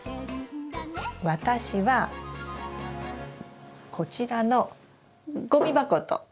私はこちらのゴミ箱と。